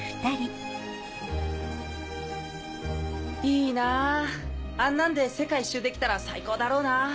いいなぁあんなので世界一周できたら最高だろうな。